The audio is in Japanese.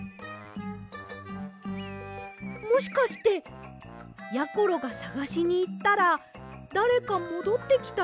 もしかしてやころがさがしにいったらだれかもどってきたりしませんよね？